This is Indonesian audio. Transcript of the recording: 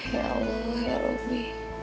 ya allah ya rabbi